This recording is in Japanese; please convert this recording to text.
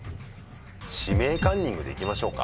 「指名カンニング」で行きましょうか。